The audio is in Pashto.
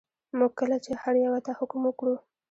موږ کله چې هر یوه ته حکم وکړو.